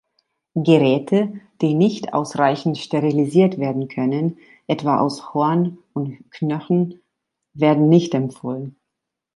Geräte, die nicht ausreichend sterilisiert werden können, etwa aus Horn und Knochen, werden nicht empfohlen.